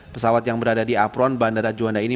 pesawat yang berada di apron bandara juanda ini